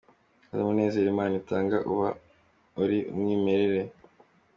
Kandi umunezero Imana itanga uba ari umwimerere.